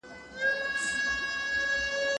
که ماشوم بیا راشي، انا به یې په تندي ښکل کړي.